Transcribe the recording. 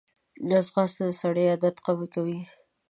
ځغاسته د سړي عادت قوي کوي